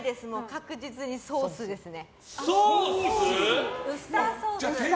確実にソースですね。